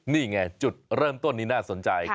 นี่ไงจุดเริ่มต้นนี้น่าสนใจ